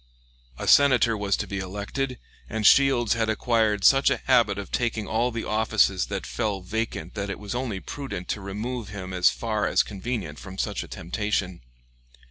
A Senator was to be elected, and Shields had acquired such a habit of taking all the offices that fell vacant that it was only prudent to remove him as far as convenient from such a temptation.